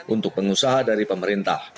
untuk pengusaha dari pemerintah